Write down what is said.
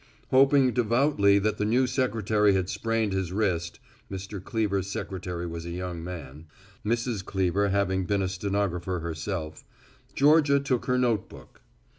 Hoping devoutly that the new secretary had sprained his wrist (Mr. Cleever's secretary was a young man, Mrs. Cleever having been a stenographer herself), Georgia took her notebook.